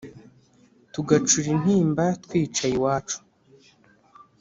Tugacura intimba twicaye iwacu